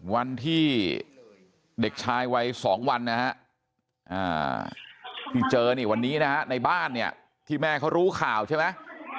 วันที่เด็กชายวัย๒วันนะฮะที่เจอนี่วันนี้นะฮะในบ้านเนี่ยที่แม่เขารู้ข่าวใช่ไหม